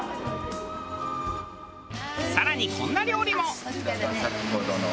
更にこんな料理も。